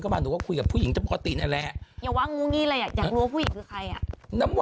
อย่าวั้งงุ้งอยากรู้ว่าภูหภูหิคือใคร